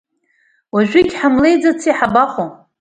Уажәыгьы ҳамлеиӡаци, ҳабаҟоу?